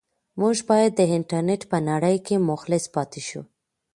موږ باید د انټرنيټ په نړۍ کې مخلص پاتې شو.